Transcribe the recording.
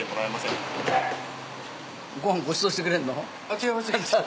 違います。